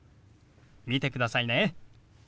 見てくださいね。